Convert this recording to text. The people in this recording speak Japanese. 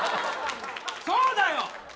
そうだよ。